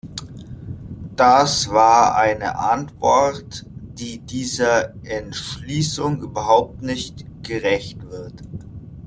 Das war eine Antwort, die dieser Entschließung überhaupt nicht gerecht wird!